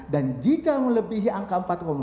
dan jika melebihi angka empat empat